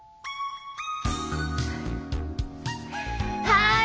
はい！